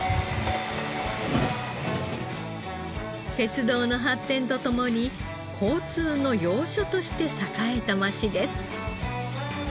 鉄道の発展とともに交通の要所として栄えた町です。